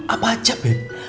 apa aja beb